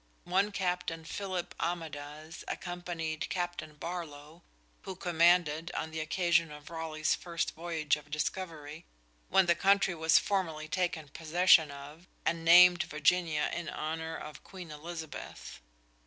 One Captain Philip Amadas accompanied Captain Barlow, who commanded on the occasion of Raleigh's first voyage of discovery, when the country was formally taken possession of and named Virginia in honour of Queen Elizabeth.